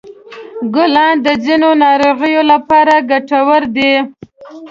ګلان د ځینو ناروغیو لپاره ګټور دي.